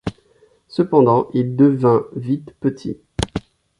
Cependant il devient vite petit.